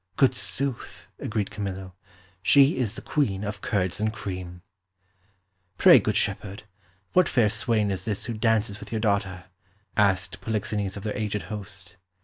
"Good sooth," agreed Camillo, "she is the Queen of curds and cream." "Pray, good shepherd, what fair swain is this who dances with your daughter?" asked Polixenes of their aged host.